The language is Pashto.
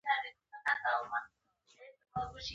تجارت د باور په اساس ولاړ دی.